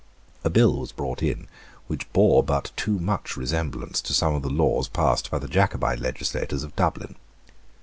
A bill was brought in which bore but too much resemblance to some of the laws passed by the Jacobite legislators of Dublin.